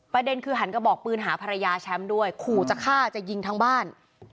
ประเด็นคือหันกระบอกปืนหาภรรยาแชมป์ด้วยขู่จะฆ่าจะยิงทั้งบ้าน